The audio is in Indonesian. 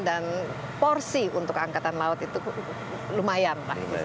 dan porsi untuk angkatan laut itu lumayan